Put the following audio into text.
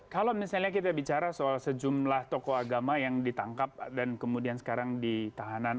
kalau misalnya kita bicara soal sejumlah tokoh agama yang ditangkap dan kemudian sekarang ditahanan